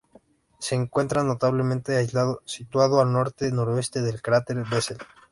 Se encuentra notablemente aislado, situado al norte-noroeste del cráter Bessel.